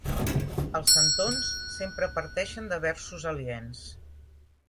Els centons sempre parteixen de versos aliens.